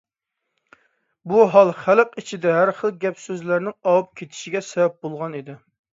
بۇ ھال خەلق ئىچىدە ھەر خىل گەپ-سۆزلەرنىڭ ئاۋۇپ كېتىشىگە سەۋەب بولغانىدى.